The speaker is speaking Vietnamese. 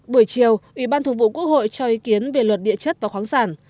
buổi chiều ủy ban thường vụ quốc hội cho ý kiến về luật địa chất và khoáng sản